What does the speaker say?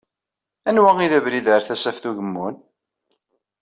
Anwa i d abrid ar Tasaft Ugemmun?